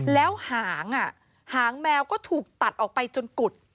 แล้วหางหางแมวก็ถูกตัดออกไปจนกุด